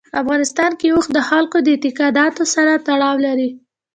په افغانستان کې اوښ د خلکو د اعتقاداتو سره تړاو لري.